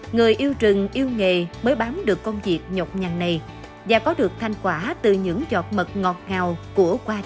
người yêu trường yêu nghề mới bám được công việc nhọc nhằn này và có được thanh quả từ những giọt mật ngọt ngào của qua trời